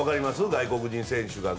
外国人選手。